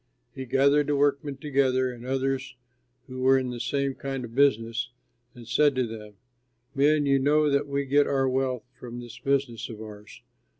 He gathered the workmen together, and others who were in the same kind of business, and said to them, "Men, you know that we get our wealth from this business of ours.